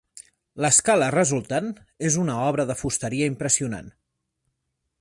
L'escala resultant és una obra de fusteria impressionant.